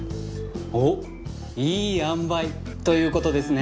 おっいい塩梅ということですね？